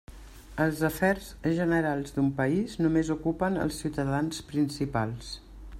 Els afers generals d'un país només ocupen els ciutadans principals.